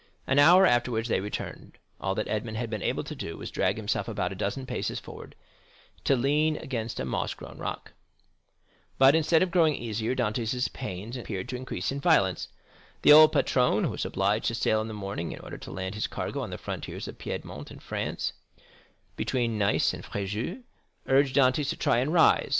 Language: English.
An hour afterwards they returned. All that Edmond had been able to do was to drag himself about a dozen paces forward to lean against a moss grown rock. But, instead of growing easier, Dantès' pains appeared to increase in violence. The old patron, who was obliged to sail in the morning in order to land his cargo on the frontiers of Piedmont and France, between Nice and Fréjus, urged Dantès to try and rise.